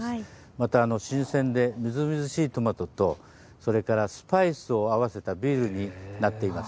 また新鮮でみずみずしいトマトとそれからスパイスを合わせたビールになっています。